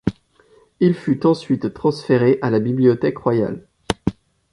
Il fut ensuite transféré à la Bibliothèque royale.